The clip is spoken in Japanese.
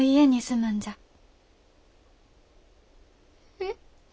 えっ。